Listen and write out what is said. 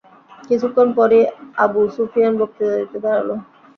কিছুক্ষণ পরই Abu Sufyan বক্তৃতা দিতে দাঁড়াল।